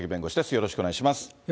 よろしくお願いします。